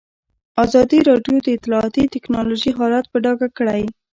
ازادي راډیو د اطلاعاتی تکنالوژي حالت په ډاګه کړی.